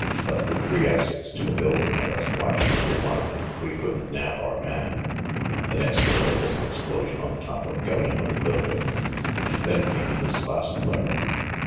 but, with three exits to the building and us watching every one of them, we couldn't nab our man. The next day there was an explosion on top of Gallino's building, and then came this last letter."